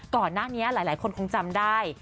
ก่อนหน้านี้หลายคนคงจำได้